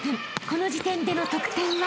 この時点での得点は］